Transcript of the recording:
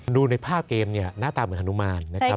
ดูในภาพเกมนี่หน้าตาเหมือนธรรมดานะครับ